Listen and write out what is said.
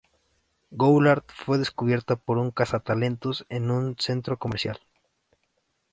Goulart fue descubierta por un cazatalentos en un centro comercial.